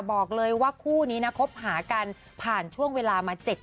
บอกเลยว่าคู่นี้นะคบหากันผ่านช่วงเวลามา๗ปี